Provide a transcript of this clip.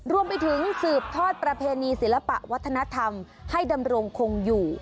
รวมไปถึงสืบทอดประเพณีศิลปะวัฒนธรรมให้ดำรงคงอยู่